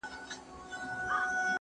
هغه څوک چي پلان جوړوي منظم وي؟!